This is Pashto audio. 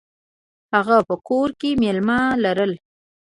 هغه په کور کې میلمانه لرل.